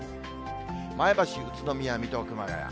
前橋、宇都宮、水戸、熊谷。